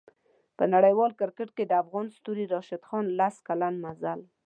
په نړیوال کریکټ کې د افغان ستوري راشد خان لس کلن مزل